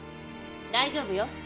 大丈夫よ。